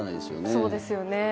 そうですよね。